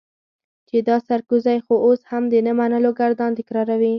چې دا سرکوزی خو اوس هم د نه منلو ګردان تکراروي.